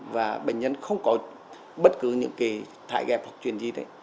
và bệnh nhân không có bất cứ những cái thải ghẹp hoặc chuyển di thì